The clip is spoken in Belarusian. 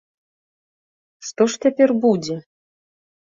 Што ж цяпер будзе?